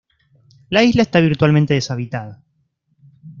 La isla está virtualmente deshabitada.